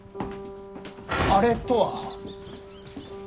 「あれ」とは？